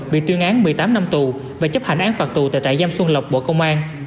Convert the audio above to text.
bị tuyên án một mươi tám năm tù và chấp hành án phạt tù tại trại giam xuân lộc bộ công an